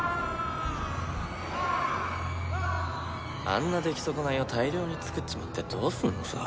あんな出来損ないを大量につくっちまってどうすんのさ